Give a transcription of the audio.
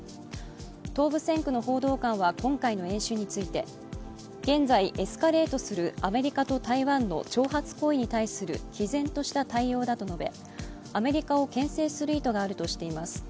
東部戦区の報道官は今回の演習について現在エスカレートするアメリカと台湾の挑発行為に対するきぜんとした対応だと述べ、アメリカをけん制する意図があるとしています。